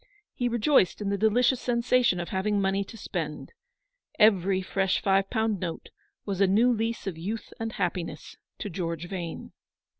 He rejoiced in the delicious sensation of having money to spend. Every fresh five pound note was a new lease of youth and happiness to George Vane.